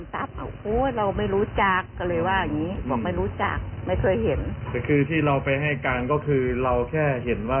ทำไมต้องไปโยนให้คนที่ไม่ผิด